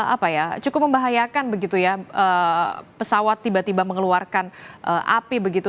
apa ya cukup membahayakan begitu ya pesawat tiba tiba mengeluarkan api begitu